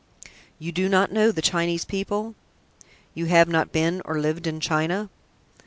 "You do not know the Chinese people? You have not been or lived in China?